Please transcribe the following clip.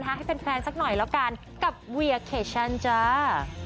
ให้แฟนสักหน่อยแล้วกันกับเวียเคชันจ้า